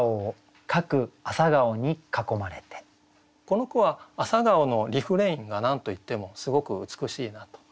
この句は「朝顔」のリフレインが何と言ってもすごく美しいなと。